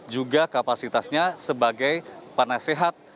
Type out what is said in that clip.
juga kapasitasnya sebagai penasehat